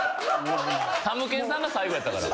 たむけんさんが最後やったから。